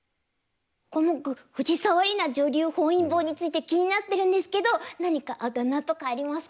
コモク藤沢里菜女流本因坊について気になってるんですけど何かあだ名とかありますか？